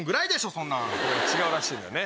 それが違うらしいのよね。